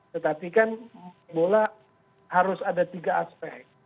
tetapi kan bola harus ada tiga aspek